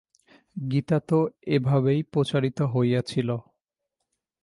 গীতা তো এইভাবেই প্রচারিত হইয়াছিল।